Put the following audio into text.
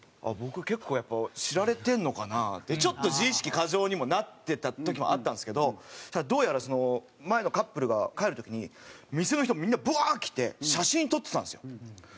僕結構やっぱ知られてんのかなってちょっと自意識過剰にもなってた時もあったんですけどそしたらどうやら前のカップルが帰る時に店の人みんなブワー来て写真撮ってたんですよ。